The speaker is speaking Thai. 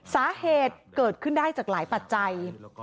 สาเหตุเกิดขึ้นได้จากหลายปัจจัย